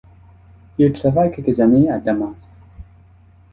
Il travaille quelques années à Damas.